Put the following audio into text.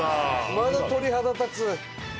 まだ鳥肌立つ！